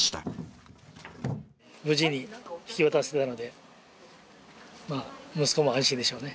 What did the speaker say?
無事に引き渡せたのでまあ息子も安心でしょうね。